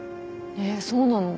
えっそうなの？